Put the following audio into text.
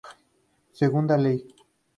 Segunda ley.